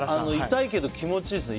痛いけど気持ちいいですね。